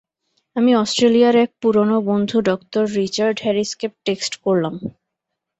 আমি অস্ট্রেলিয়ার এক পুরানো বন্ধু ডঃ রিচার্ড হ্যারিসকে টেক্সট করলাম।